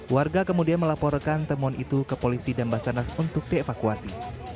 warga kemudian melaporkan temuan itu ke polisi dan basarnas untuk dievakuasi